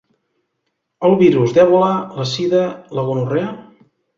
El virus d'Ebola, la sida, la gonorrea?